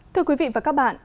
thưa quý vị và các bạn